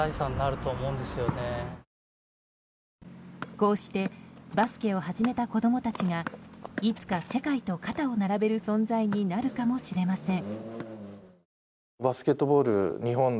こうしてバスケを始めた子供たちがいつか世界と肩を並べる存在になるかもしれません。